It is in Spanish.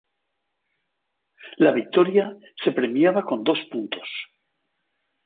La victoria se premiaba con dos puntos.